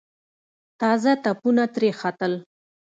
تازه تپونه ترې ختل.